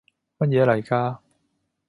乜嘢嚟㗎？